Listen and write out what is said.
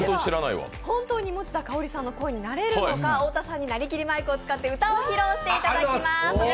本当に持田香織さんの声になれるのか、太田さんになりきりマイクを使って歌っていただきます。